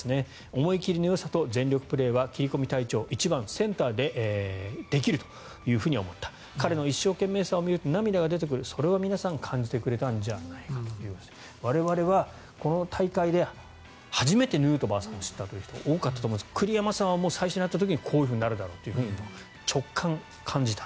思い切りのよさと全力プレーは切り込み隊長、１番、センターでできるというふうに思った彼の一生懸命さを見ると涙が出てくるそれを皆さんが感じてくれたんじゃないかということで我々はこの大会で初めてヌートバーさんを知ったという人多かったと思うんですが栗山さんは最初に会った時にこういうふうになるだろうと直感、感じた。